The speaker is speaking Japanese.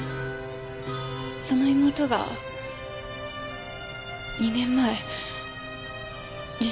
その妹が２年前自殺したんです。